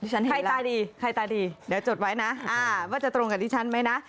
ใครตายดีเดี๋ยวจดไว้นะว่าจะตรงกันที่ฉันไหมนะ